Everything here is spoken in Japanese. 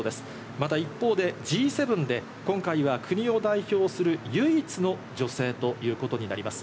また一方で、Ｇ７で今回は国を代表する唯一の女性ということになります。